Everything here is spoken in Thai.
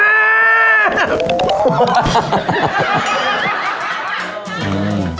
อืม